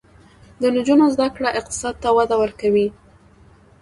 د نجونو زده کړه اقتصاد ته وده ورکوي.